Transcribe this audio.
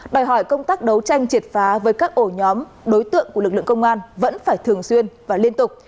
đòi hỏi công tác đấu tranh triệt phá với các ổ nhóm đối tượng của lực lượng công an vẫn phải thường xuyên và liên tục